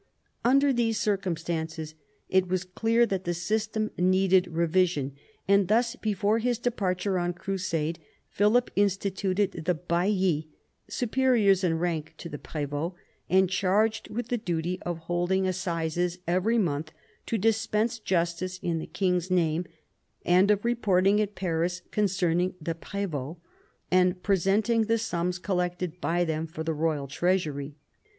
Under these circumstances it was clear that the system needed revision, and thus before his departure on crusade, Philip instituted the baillis, superiors in rank to the prdvdts, and charged with the duty of holding assizes every month to dispense justice in the king's name, and of reporting at Paris con cerning the prdvots, and presenting the sums collected by them for the royal treasury.